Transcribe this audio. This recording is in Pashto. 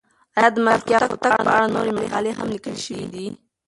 آیا د ملکیار هوتک په اړه نورې مقالې هم لیکل شوې دي؟